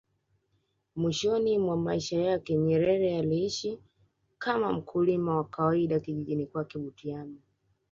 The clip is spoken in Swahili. Mwishoni mwa maisha yake Nyerere aliishi kama mkulima wa kawaida kijijini kwake Butiama